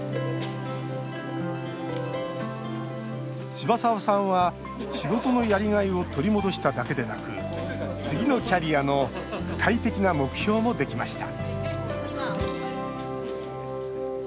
柴澤さんは仕事のやりがいを取り戻しただけでなく次のキャリアの具体的な目標もできました